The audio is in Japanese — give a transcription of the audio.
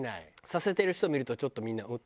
させてる人見るとちょっとみんなうん？